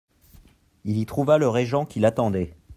Il y trouva le régent qui l'attendait.